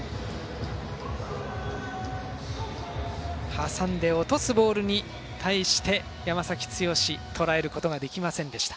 挟んで落とすボールに対して山崎剛、とらえることができませんでした。